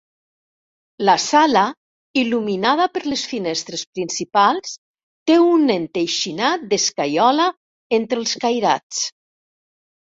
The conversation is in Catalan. La sala, il·luminada per les finestres principals, té un enteixinat d'escaiola entre els cairats.